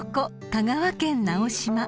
香川県直島］